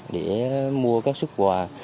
để mua các sức quà